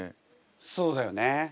そうだよね。